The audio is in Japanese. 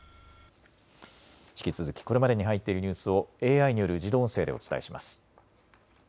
引き続きこれまでに入っているニュースをＡＩによる自動音声でお伝えします。